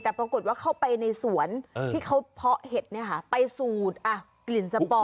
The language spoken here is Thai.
แต่ปรากฏว่าเข้าไปในสวนที่เขาเพาะเห็ดไปสูดกลิ่นสปอร์